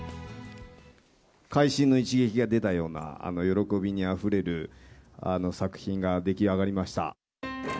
会心の一撃が出たような、喜びにあふれる作品が出来上がりました。